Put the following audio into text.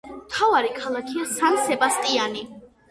მთავარი ქალაქია სან-სებასტიანი.